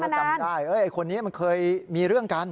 ไปมองหน้าแล้วจำได้เฮ้ยไอ้คนนี้มันเคยมีเรื่องกัน